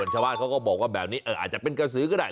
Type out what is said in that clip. ชาวบ้านเขาก็บอกว่าแบบนี้อาจจะเป็นกระสือก็ได้